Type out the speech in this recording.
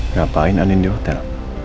ngapain andin di hotel